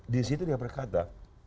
di situ dia berkata